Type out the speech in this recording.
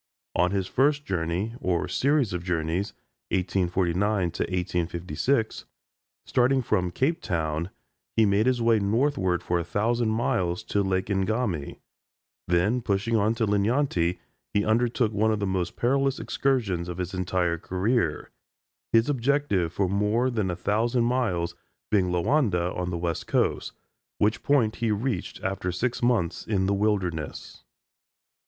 On his first journey, or series of journeys (1849 1856,) starting from Cape Town, he made his way northward for a thousand miles to Lake Ngami; then pushing on to Linyanti, he undertook one of the most perilous excursions of his entire career, his objective for more than a thousand miles being Loanda on the West Coast, which point he reached after six months in the wilderness.